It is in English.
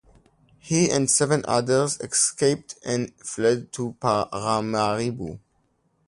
He and seven others escaped and fled to Paramaribo.